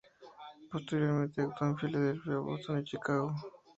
Posteriormente actuó en Filadelfia, Boston y Chicago.